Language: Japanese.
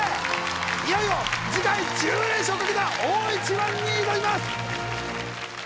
いよいよ次回１０連勝をかけた大一番に挑みます